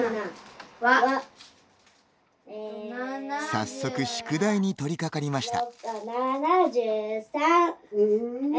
早速、宿題に取りかかりました。